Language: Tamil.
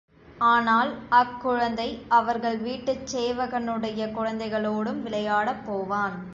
ஆனால் அக்குழந்தை அவர்கள் வீட்டுச் சேவகனுடைய குழந்தைகளோடும் விளையாடப் போவான்.